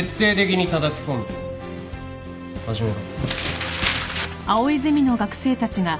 始めろ。